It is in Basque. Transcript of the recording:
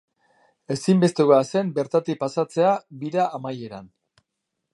Ezinbestekoa zen bertatik pasatzea bira amaieran.